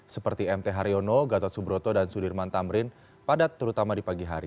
seperti mt haryono gatot subroto dan sudirman tamrin padat terutama di pagi hari